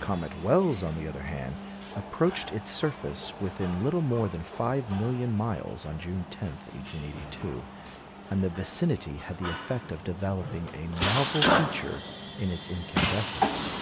Comet Wells, on the other hand, approached its surface within little more than five million miles on June 10, 1882; and the vicinity had the effect of developing a novel feature in its incandescence.